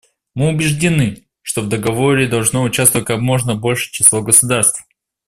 Мы убеждены, что в договоре должно участвовать как можно большее число государств.